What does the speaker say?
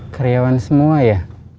karyawan semua ya